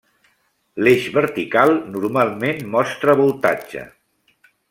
L'eix vertical normalment mostra voltatge.